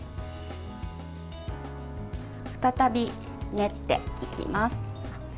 再び練っていきます。